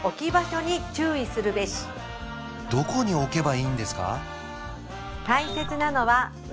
どこに置けばいいんですか？